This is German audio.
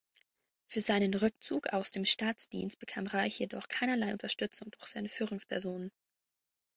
Für seinen Rückzug aus dem Staatsdienst bekam Reich jedoch keinerlei Unterstützung durch seine Führungsperson.